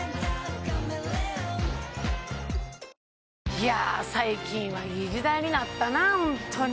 いや最近はいい時代になったなホントに。